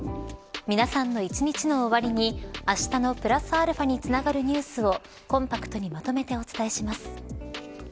皆さんの一日の終わりにあしたのプラスαにつながるニュースをコンパクトにまとめてお伝えします。